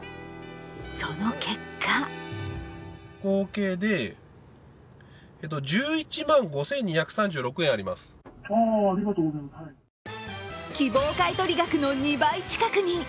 その結果希望買い取り額の２倍近くに。